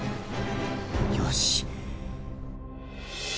よし